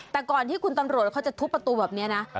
แต่ก่อนที่คุณตำรวจเขาจะทุบประตูแบบนี้นะ